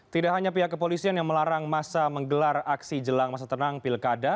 tidak hanya pihak kepolisian yang melarang masa menggelar aksi jelang masa tenang pilkada